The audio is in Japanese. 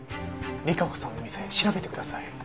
里香子さんの店調べてください。